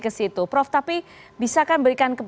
ke situ prof tapi bisa kan berikan